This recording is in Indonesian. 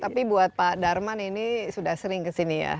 tapi buat pak darman ini sudah sering kesini ya